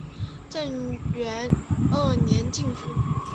正元二年进军。